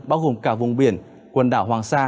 bao gồm cả vùng biển quần đảo hoàng sa